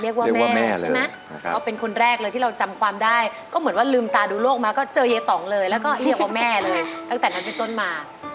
เรียกว่าแม่ใช่ไหมก็เป็นคนแรกเลยที่เราจำความได้ก็เหมือนว่าลืมตาดูโลกมาก็เจอยายต่องเลยแล้วก็เรียกว่าแม่เลยตั้งแต่นั้นเป็นต้นมา